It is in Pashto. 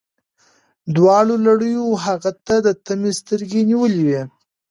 دواړو لړیو هغې ته د طمعې سترګې نیولي وې.